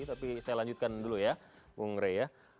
tapi saya lanjutkan dulu ya bung rey ya